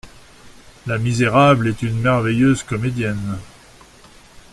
La misérable est une merveilleuse comédienne.